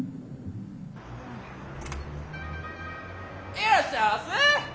いらっしゃいあせ！